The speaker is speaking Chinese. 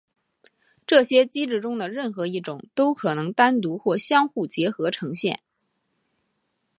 这些机制中的任何一种都可能单独或相互结合呈现。